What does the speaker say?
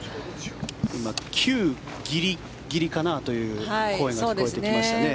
今、９ギリギリかなという声が聞こえてきましたね。